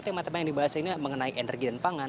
tema tema yang dibahas ini mengenai energi dan pangan